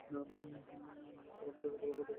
আর আমাদেরকে প্রথমবার দেখতে আসায় প্রশংসা জ্ঞাপন করছি।